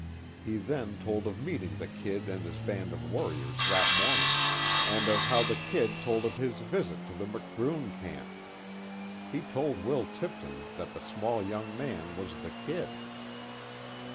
He then told of meeting the "Kid" and his band of "warriors" that morning, and of how the "Kid" told of his visit to the McBroom camp. He told Will Tipton that the small young man was the "Kid."